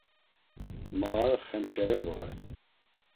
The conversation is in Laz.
Ma ar xemşere vore.